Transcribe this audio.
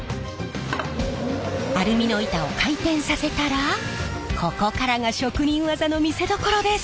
アルミの板を回転させたらここからが職人技の見せどころです。